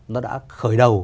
nó đã khởi đầu